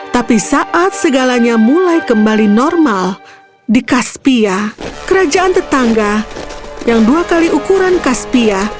tapi saat segalanya mulai kembali normal di kaspia kerajaan tetangga yang dua kali ukuran kaspia